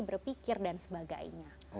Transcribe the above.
berpikir dan sebagainya